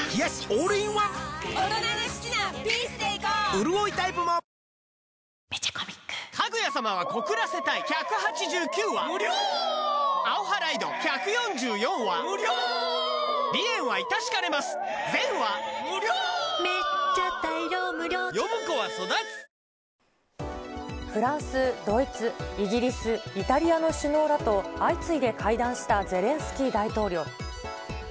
うるおいタイプもフランス、ドイツ、イギリス、イタリアの首脳らと相次いで会談したゼレンスキー大統領。